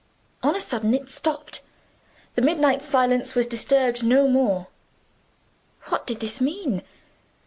On a sudden it stopped. The midnight silence was disturbed no more. What did this mean?